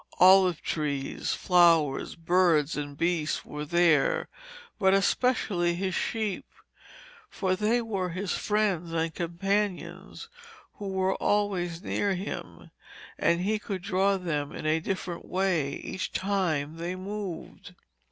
Olive trees, flowers, birds and beasts were there, but especially his sheep, for they were his friends and companions who were always near him, and he could draw them in a different way each time they moved.